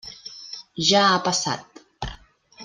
Ja ha passat.